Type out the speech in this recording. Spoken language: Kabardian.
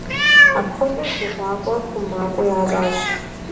Апхуэдэу дыгъуакӏуэр хъумакӏуэ ящӏащ.